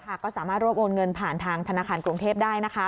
ใช่ค่ะก็สามารถรวมโอนเงินผ่านทางธนาคารกรุงเทพฯได้นะครับ